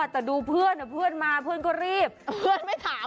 แต่ดูเพื่อนเพื่อนมาเพื่อนก็รีบเพื่อนไม่ถาม